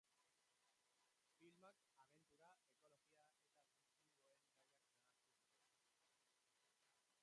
Filmak abentura, ekologia eta bikingoen gaiak nahastu zituen.